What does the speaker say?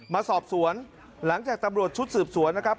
มาสอบสวนหลังจากตำรวจชุดสืบสวนนะครับ